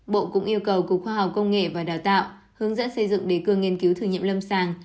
bộ cũng yêu cầu cục khoa học công nghệ và đào tạo hướng dẫn xây dựng đề cương nghiên cứu thử nghiệm lâm sàng